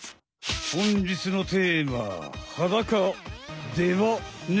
ほんじつのテーマは！